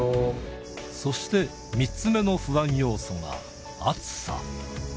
そして、３つ目の不安要素が暑さ。